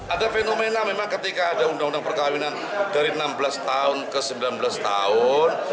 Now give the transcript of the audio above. ada fenomena memang ketika ada undang undang perkawinan dari enam belas tahun ke sembilan belas tahun